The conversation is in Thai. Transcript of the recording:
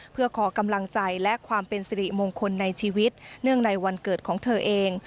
เพื่อขอกำลังใจและความเป็นสิริมงคลในชีวิตเนื่องในวันเกิดของเธอเอง